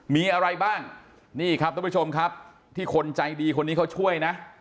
มีอะไรบ้างนี่ครับทุกผู้ชมครับที่คนใจดีคนนี้เขาช่วยนะ